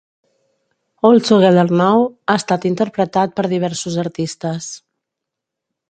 "All Together Now" ha estat interpretat per diversos artistes.